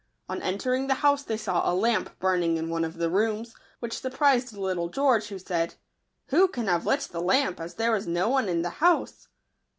On entering the house they saw a lamp burning in one of the rooms, which surprised little George, who said, " Who can have lit the lamp, as there is no one in the house